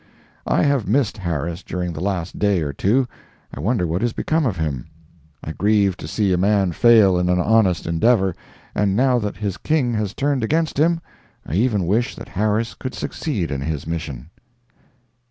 I have missed Harris during the last day or two. I wonder what is become of him. I grieve to see a man fail in an honest endeavor; and now that his King has turned against him, I even wish that Harris could succeed in his mission.